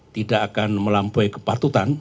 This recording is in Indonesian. tidak akan melampaui kepatutan